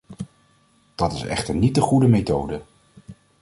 Dat is echter niet de goede methode.